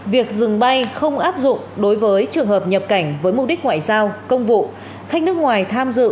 việc dừng bay không áp dụng đối với trường hợp nhập cảnh với mục đích ngoại giao công vụ khách nước ngoài tham dự